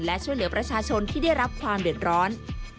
และช่วยเหลือประชาชนที่ได้รับความเดือดร้อน